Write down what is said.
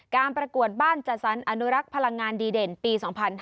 การประกวดบ้านจัดสรรอนุรักษ์พลังงานดีเด่นปี๒๕๕๙